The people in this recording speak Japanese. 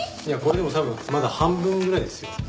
いやこれでも多分まだ半分ぐらいですよ。